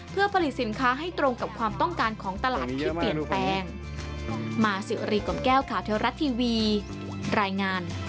เพื่อผลิตสินค้าให้ตรงกับความต้องการของตลาดที่เปลี่ยนแปลง